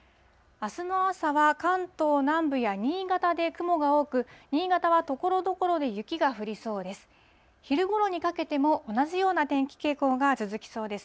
あすの朝は関東南部や新潟で雲が多く、新潟はところどころで雪が降りそうです。